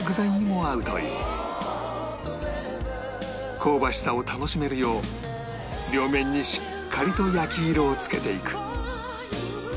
香ばしさを楽しめるよう両面にしっかりと焼き色をつけていく